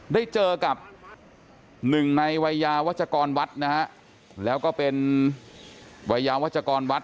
ได้เจอกับหนึ่งในวัยยาวัชกรวัดนะฮะแล้วก็เป็นวัยยาวัชกรวัด